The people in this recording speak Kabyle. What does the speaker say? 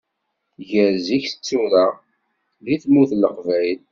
Gar zik d tura deg tmurt n leqbayel.